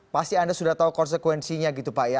pasti anda sudah tahu konsekuensinya gitu pak ya